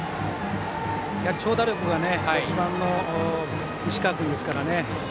長打力が自慢の西川君ですからね